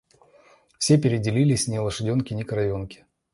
Все переделились, ни лошаденки, ни коровенки.